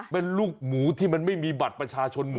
เป็นลูกหมูที่มันไม่มีบัตรประชาชนหมู